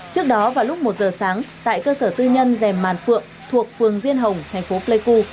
trước đó vào lúc một giờ sáng tại cơ sở tư nhân dèm màn phượng thuộc phường diên hồng thành phố pleiku